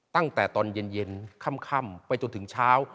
ตั้งแต่ตอนเย็นค่ำไปจนถึงเช้า